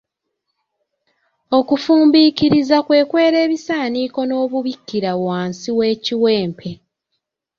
Okufumbiikiriza kwe kwera ebisaaniiko n’obibikkira wansi w’ekiwempe.